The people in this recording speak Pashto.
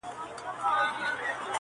تشي کیسې د تاریخونو کوي،